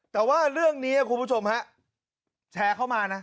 แต่ว่าเรื่องนี้คุณผู้ชมฮะแชร์เข้ามานะ